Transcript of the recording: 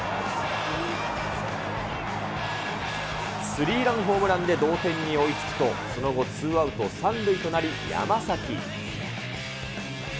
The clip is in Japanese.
スリーランホームランで同点に追いつくと、その後、ツーアウト３塁となり、山崎。